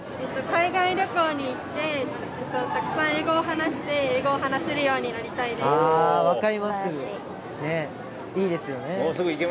海外旅行に行ってたくさん英語を話して話せるようになりたいです。